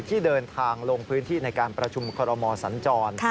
ที่เดินทางลงพื้นที่ในการประชุมคอรมอสัญจร